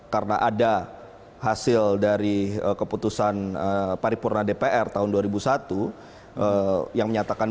karena ada hasil dari keputusan paripurna dpr tahun dua ribu satu yang menyatakan bahwa semanggi i dan semanggi ii adalah pelanggaran ham berat